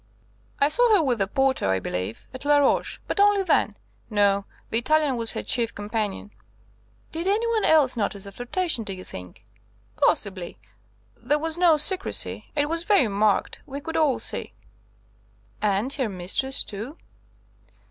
"I saw her with the porter, I believe, at Laroche, but only then. No, the Italian was her chief companion." "Did any one else notice the flirtation, do you think?" "Possibly. There was no secrecy. It was very marked. We could all see." "And her mistress too?"